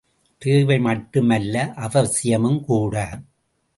தேவை மட்டும் அல்ல, அவசியமும் கூட!